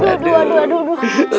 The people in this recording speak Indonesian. aduh aduh aduh aduh aduh